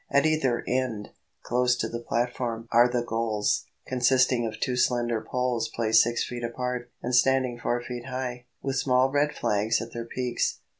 At either end, close to the platform, are the goals, consisting of two slender poles placed six feet apart, and standing four feet high, with small red flags at their peaks.